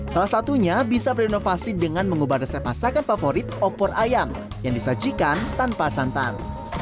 salah satunya bisa berinovasi dengan mengubah resep masakan favorit opor ayam yang disajikan tanpa santan